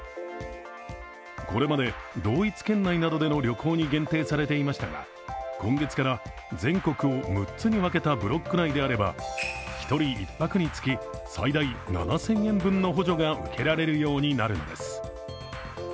これまで同一県内などでの旅行に限定されていましたが今月から全国を６つに分けたブロック内であれば１人１泊につき最大７０００円分の補助が受けられるようになるんです。